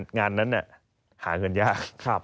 งานนั้นหาเงินยาก